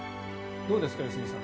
どうですか良純さん。